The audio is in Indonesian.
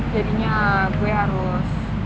jadinya gue harus